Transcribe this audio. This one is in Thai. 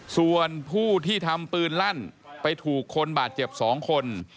ส่วนผู้ที่ทำปืนลั่นไปถูกคนบาดเจ็บ๒คน